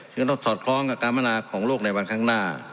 ซึ่งต้องสอดคล้องกับการพัฒนาของโลกในวันข้างหน้า